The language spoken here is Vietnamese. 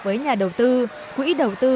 với nhà đầu tư quỹ đầu tư